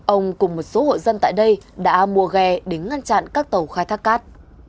ông cùng một số hộ dân tại đây đã mua ghe để ngăn chặn các tàu khai thác cát